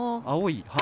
青い。